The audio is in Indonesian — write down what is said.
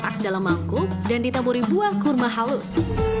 ketan dicetak dalam mangkuk dan ditaburi buah kurma halus